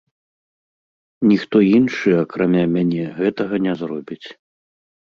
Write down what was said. Ніхто іншы акрамя мяне гэтага не зробіць.